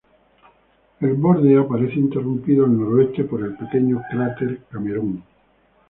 El borde aparece interrumpido al noroeste por el pequeño cráter Cameron.